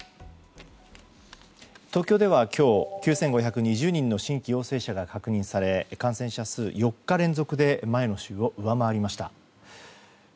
東京では今日９５２０人の新規陽性者が確認され、感染者数４日連続で前の週を上回りました。